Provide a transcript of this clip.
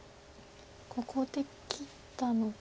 ここで切ったので。